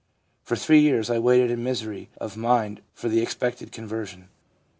For three years I waited in misery of mind for the expected conversion.